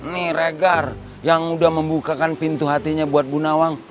ini regar yang udah membukakan pintu hatinya buat bu nawang